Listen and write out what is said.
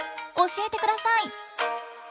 教えてください！